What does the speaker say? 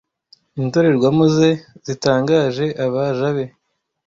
indorerwamo ze zitangaje abaja be